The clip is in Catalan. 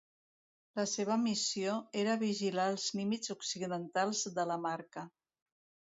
La seva missió era vigilar els límits occidentals de la Marca.